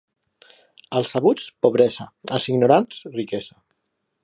Als sabuts, pobresa; als ignorants, riquesa.